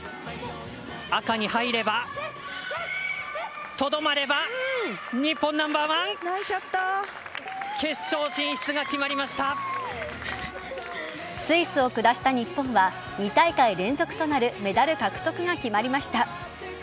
赤に入ればとどまれば、日本ナンバーワン。スイスを下した日本は２大会連続となるメダル獲得が決まりました。